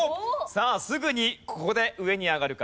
さあすぐにここで上に上がるか？